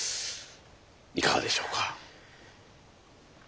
いかがでしょうか？